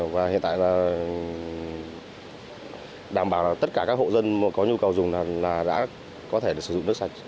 và hiện tại là đảm bảo tất cả các hộ dân có nhu cầu dùng là đã có thể sử dụng nước sạch